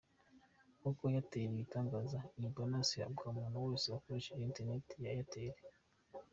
Nk’uko Airtel ibitangaza, iyi Bonus ihabwa umuntu wese wakoresheje interineti ya Airtel.